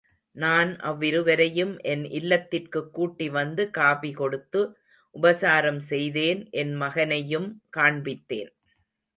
நான் அவ்விருவரையும் என் இல்லத்திற்குக் கூட்டி வந்து காபி கொடுத்து உபசாரம் செய்தேன் என் மகனையும் காண்பித்தேன்.